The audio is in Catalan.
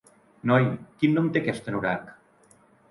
Noi, quin nom té aquest anorac?